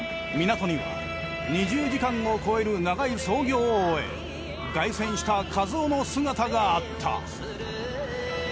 港には２０時間を超える長い操業を終え凱旋した一夫の姿があった。